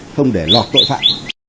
không để lọt tội phạm